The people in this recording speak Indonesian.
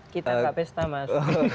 kita enggak pesta mas